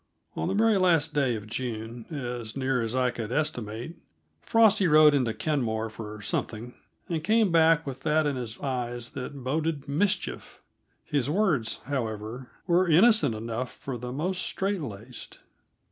On the very last day of June, as nearly as I could estimate, Frosty rode into Kenmore for something, and came back with that in his eyes that boded mischief; his words, however, were innocent enough for the most straight laced.